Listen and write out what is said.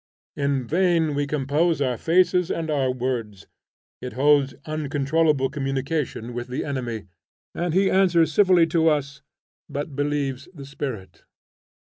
In vain we compose our faces and our words; it holds uncontrollable communication with the enemy, and he answers civilly to us, but believes the spirit.